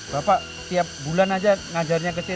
bapak tiap bulan aja ngajarnya ke sini